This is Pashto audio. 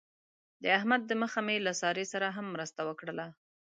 د احمد د مخه مې له سارې سره هم مرسته وکړله.